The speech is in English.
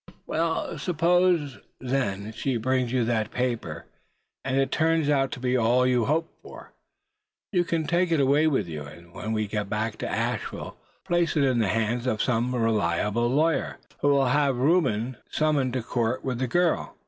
"Suppose, then, she brings you that paper, and it turns out to be all you hope for? You can take it away with you, and when we get back to Asheville place it in the hands of some reliable lawyer, who will have Reuben summoned to court with the girl.